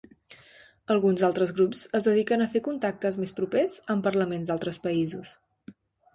Alguns altres grups es dediquen a fer contactes més propers amb parlaments d'altres països.